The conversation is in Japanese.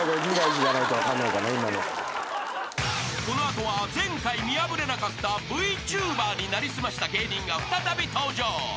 ［この後は前回見破れなかったＶＴｕｂｅｒに成り済ました芸人が再び登場］